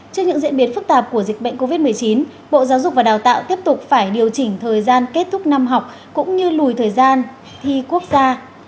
trước những diễn biến phức tạp của dịch bệnh covid một mươi chín bộ giáo dục và đào tạo tiếp tục phải điều chỉnh thời gian kết thúc năm học cũng như lùi thời gian thi quốc gia